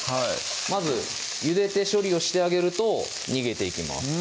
まずゆでて処理をしてあげると逃げていきます